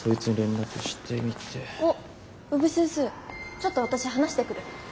ちょっと私話してくる。